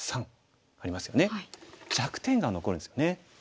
弱点が残るんですよね。